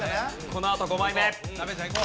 このあと５枚目。